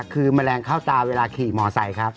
คือแมลงเข้าอาหารเวลาขี่หมอไสว์ครับ